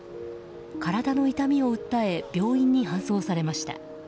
体の痛みを訴え病院に搬送されました。